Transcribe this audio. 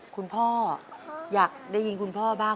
คุณพ่ออยากได้ยินคุณพ่อบ้าง